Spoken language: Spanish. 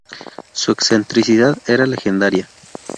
Su excentricidad era legendaria.